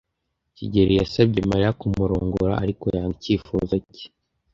kigeli yasabye Mariya kumurongora, ariko yanga icyifuzo cye.